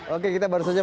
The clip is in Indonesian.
oke kita baru saja